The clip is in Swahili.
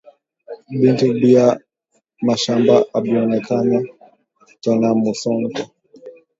Bintu bia mashamba abionekane tena mu nsoko